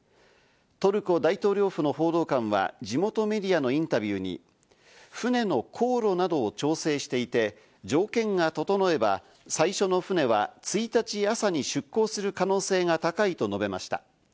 トルコ大統領府の報道官は、地元メディアのインタビューに船の航路などを調整していて、条件が整えば、最初の船は１日朝に出港する可能性が高いと述べました。